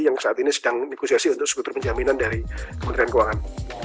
yang saat ini sedang negosiasi untuk sekutu penjaminan dari kementerian keuangan